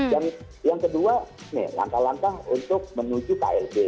dan yang kedua nih langkah langkah untuk menuju klb